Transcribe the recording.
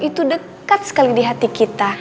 itu dekat sekali di hati kita